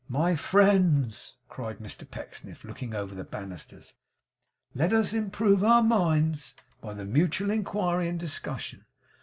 'My friends,' cried Mr Pecksniff, looking over the banisters, 'let us improve our minds by mutual inquiry and discussion.